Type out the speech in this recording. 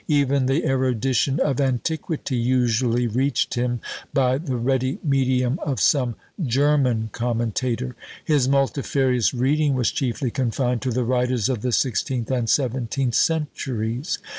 Even the erudition of antiquity usually reached him by the ready medium of some German commentator. His multifarious reading was chiefly confined to the writers of the sixteenth and seventeenth centuries.